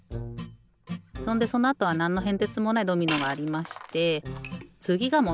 そんでそのあとはなんのへんてつもないドミノがありましてつぎがもんだいですよ。